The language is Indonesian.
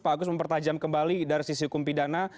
pak agus mempertajam kembali dari sisi hukum pidana